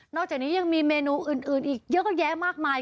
จากนี้ยังมีเมนูอื่นอีกเยอะแยะมากมาย